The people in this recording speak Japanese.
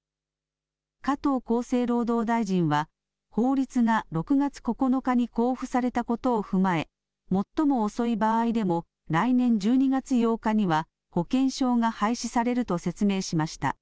加藤厚生労働大臣は法律が６月９日に公布されたことを踏まえ最も遅い場合でも来年１２月８日には保険証が廃止されると説明しました。